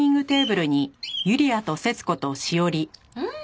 うん！